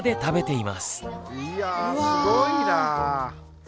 いやぁすごいな。